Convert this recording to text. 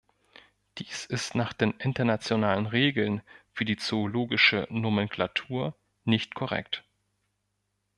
Dies ist nach den Internationalen Regeln für die Zoologische Nomenklatur nicht korrekt.